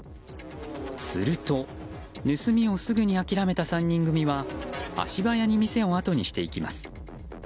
すると盗みをすぐに諦めた３人組は足早に店をあとにしていきます。